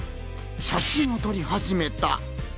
写真を撮り始めた。